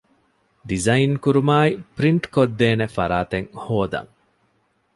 ޑިޒައިން ކުރުމާއި ޕްރިންޓް ކޮށްދޭނޭ ފަރާތެއް ހޯދަން